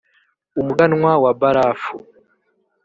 umuganwa wa barafu